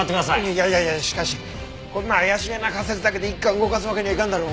いやいやいやしかしこんな怪しげな仮説だけで一課を動かすわけにはいかんだろ。